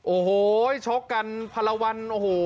โอโหช็อกกันพลวรรณ